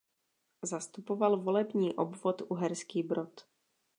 Zastupoval volební obvod Uherský Brod.